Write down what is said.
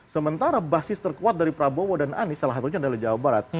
sementara basis terkuat dari prabowo dan anies salah satunya adalah jawa barat